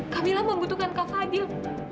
kamila membutuhkan kak fadil